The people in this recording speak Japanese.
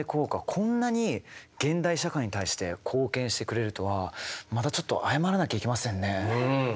こんなに現代社会に対して貢献してくれるとはまたちょっと謝らなきゃいけませんね。